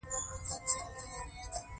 د پکتیکا په وازیخوا کې د تیلو نښې شته.